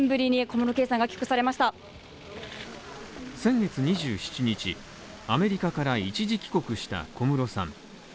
先月２７日、アメリカから一時帰国した小室さん。